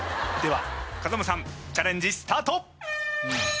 では風間さんチャレンジスタート！